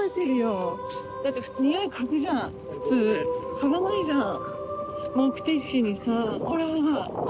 嗅がないじゃん。